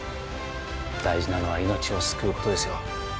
大事なのは命を救うことですよ